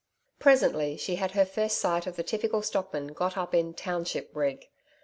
Presently she had her first sight of the typical stockman got up in 'township rig.'